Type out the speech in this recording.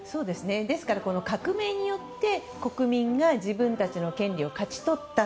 ですから、革命によって国民が自分たちの権利を勝ち取った。